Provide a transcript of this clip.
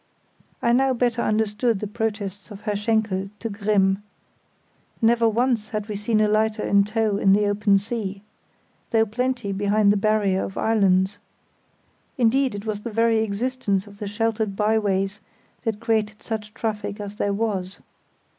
I now better understood the protests of Herr Schenkel to Grimm. Never once had we seen a lighter in tow in the open sea, though plenty behind the barrier of islands; indeed it was the very existence of the sheltered byways that created such traffic as there was.